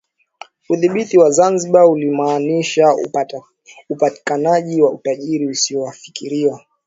Udhibiti wa Zanzibar ulimaanisha upatikanaji wa utajiri usiofikiriwa